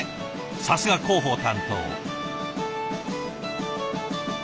さすが広報担当。